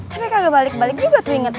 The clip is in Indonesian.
tapi kagak balik balik juga tuh ingetnya